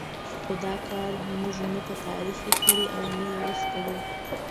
خو دا کار موږ نه په تاریخ کې کړی او نه یې اوس کوو.